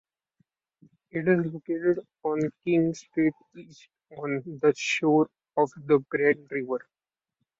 It is located on King Street East on the shore of the Grand River.